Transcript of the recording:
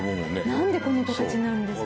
なんでこの形なんですか？